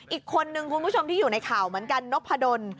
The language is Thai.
อีกคนนึงคุณผู้ชมที่อยู่ในข่าวเหมือนกันนพดล